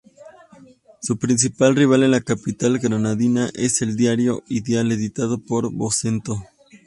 Su principal rival en la capital granadina es el diario "Ideal", editado por Vocento.